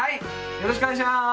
よろしくお願いします。